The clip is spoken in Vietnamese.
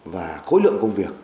và khối lượng công việc